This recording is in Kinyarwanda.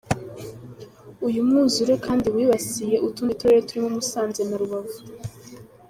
Uyu mwuzure kandi wibasiye utundi turere turimo Musanze na Rubavu.